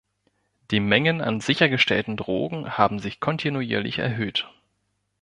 Die Mengen an sichergestellten Drogen haben sich kontinuierlich erhöht.